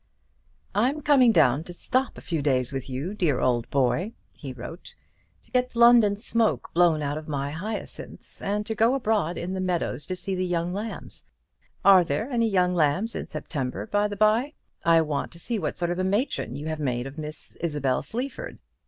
"I'm coming down to stop a few days with you, dear old boy," he wrote, "to get the London smoke blown out of my hyacinthines, and to go abroad in the meadows to see the young lambs are there any young lambs in September, by the bye? I want to see what sort of a matron you have made of Miss Isabel Sleaford.